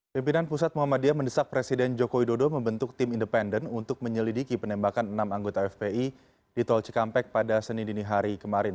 pimpinan pusat muhammadiyah mendesak presiden joko widodo membentuk tim independen untuk menyelidiki penembakan enam anggota fpi di tol cikampek pada senin dini hari kemarin